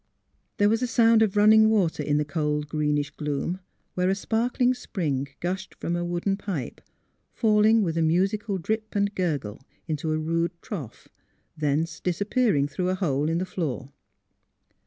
There was the sound of running water in the cold greenish gloom, where a sparkling spring gushed from a wooden pipe, falling with a musical drip and gurgle into a rude trough, thence disappearing through a hole in the floor.